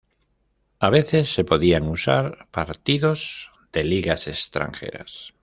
A veces se podían usar partidos de ligas extranjeras.